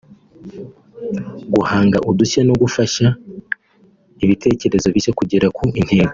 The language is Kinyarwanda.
guhanga udushya no gufasha ibitekerezo bishya kugera ku ntego